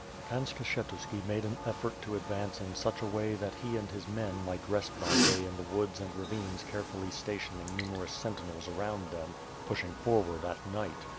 Pan Skshetuski made an effort to advance in such a way that he and his men might rest by day in the woods and ravines carefully stationing numerous sentinels around them, pushing forward at night.